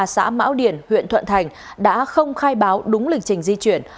xã mão điền huyện thuận thành đã không khai báo đúng lịch trình di chuyển